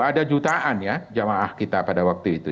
ada jutaan ya jamaah kita pada waktu itu